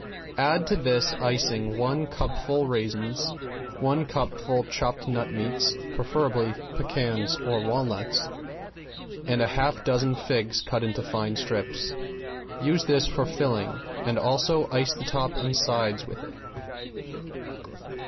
Add to this icing one cupful chopped raisins, one cupful chopped nut meats, preferably pecans or walnuts, and a half dozen figs cut in fine strips. Use this for filling and also ice the top and sides with it.